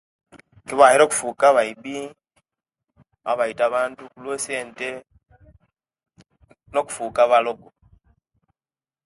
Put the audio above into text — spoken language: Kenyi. Kibawaire okufuka abaibi abaita abantu kulwesente no okufuka abalogo